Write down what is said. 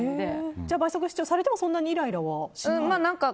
倍速視聴されてもそんなにイライラしないですか？